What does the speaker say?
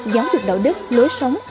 giáo dục đạo đức lối sống